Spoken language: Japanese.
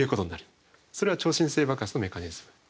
それは超新星爆発のメカニズムになりますが。